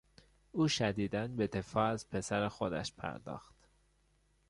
او شدیدا به دفاع از پسر خودش پرداخت.